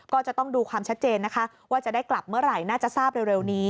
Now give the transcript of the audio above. ก็จะต้องดูความชัดเจนนะคะว่าจะได้กลับเมื่อไหร่น่าจะทราบเร็วนี้